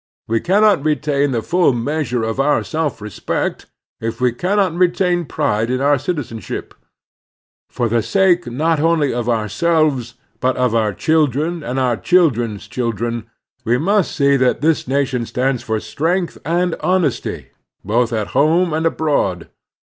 We cannot retain the full measure of our self respect if we cannot retain pride in our citizenship. For the sake not only of ourselves but of our chil dren and our children's children we must see that this nation stands for strength and honesty both at home and abroad.